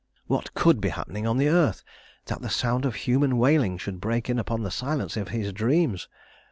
What could be happening on the earth that the sound of human wailing should break in upon the silence of his dreams!